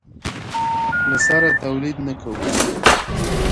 له سره تولید نه کوو.